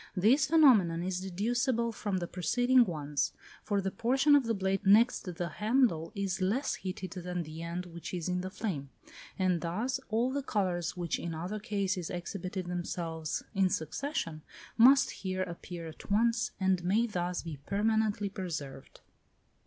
This phenomenon is deducible from the preceding ones; for the portion of the blade next the handle is less heated than the end which is in the flame, and thus all the colours which in other cases exhibited themselves in succession, must here appear at once, and may thus be permanently preserved.